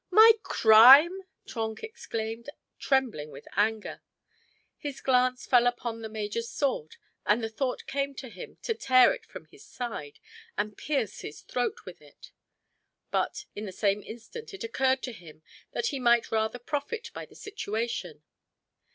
"My crime!" Trenck exclaimed, trembling with anger. His glance fell upon the major's sword and the thought came to him to tear it from his side and pierce his throat with it. But in the same instant it occurred to him that he might rather profit by the situation.